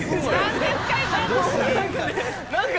何ですか？